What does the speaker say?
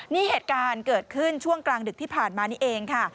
นี่เหตุการณ์เกิดขึ้นช่วงกลางดึกที่ผ่านมานี่เองค่ะ